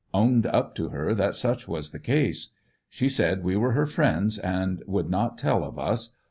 Owned up to her that such was the case. She said we were her friends, and would not tell of us.